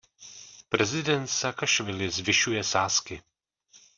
Prezident Saakašvili zvyšuje sázky.